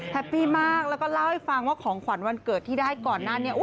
ปี้มากแล้วก็เล่าให้ฟังว่าของขวัญวันเกิดที่ได้ก่อนหน้านี้